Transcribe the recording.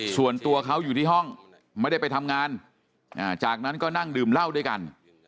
ส่วนตัวเขาอยู่ที่ห้องไม่ได้ไปทำงานจากนั้นก็นั่งดื่มเหล้าด้วยกัน